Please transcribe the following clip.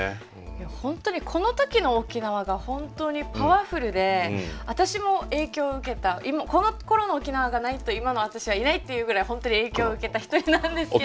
いや本当にこの時の沖縄が本当にパワフルで私も影響受けたこのころの沖縄がないと今の私はいないっていうぐらい本当に影響を受けた一人なんですけど。